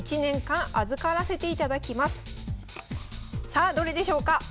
さあどれでしょうか？